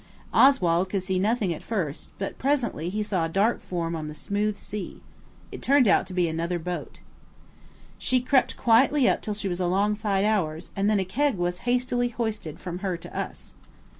Oswald could see nothing at first, but presently he saw a dark form on the smooth sea. It turned out to be another boat. She crept quietly up till she was alongside ours, and then a keg was hastily hoisted from her to us.